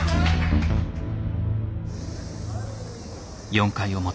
４回表。